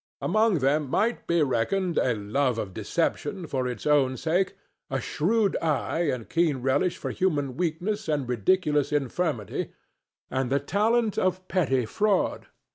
Among them might be reckoned a love of deception for its own sake, a shrewd eye and keen relish for human weakness and ridiculous infirmity, and the talent of petty fraud.